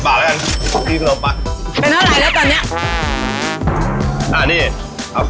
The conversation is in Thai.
ปากแล้วกันที่ขนมปังเป็นอะไรแล้วตอนเนี้ยอ่านี่เอา